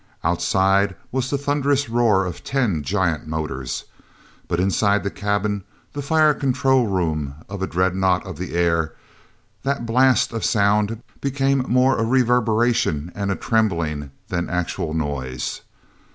Outside was the thunderous roar of ten giant motors, but inside the cabin—the fire control room of a dreadnought of the air—that blast of sound became more a reverberation and a trembling than actual noise.